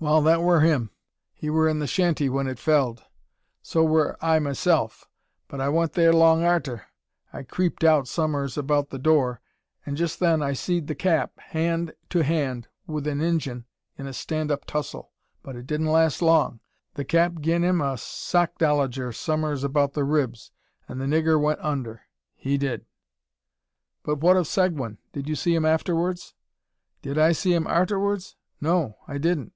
"Wal, that wur him. He wur in the shanty when it felled. So were I m'self; but I wa'n't there long arter. I creeped out some'rs about the door; an' jest then I seed the cap, hand to hand wi' an Injun in a stan' up tussle: but it didn't last long. The cap gi'n him a sockdolloger some'rs about the ribs, an' the niggur went under; he did." "But what of Seguin? Did you see him afterwards?" "Did I see him arterwards? No; I didn't."